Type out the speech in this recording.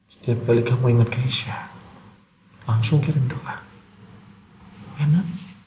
setiap kali kamu ingat keisha langsung kirim doka